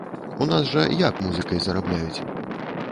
У нас жа як музыкай зарабляюць?